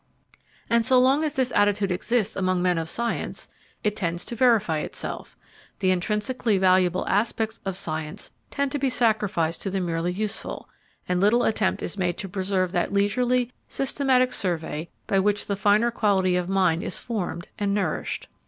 And so long as this attitude exists among men of science, it tends to verify itself: the intrinsically valuable aspects of science tend to be sacrificed to the merely useful, and little attempt is made to preserve that leisurely, systematic survey by which the finer quality of mind is formed and nourished.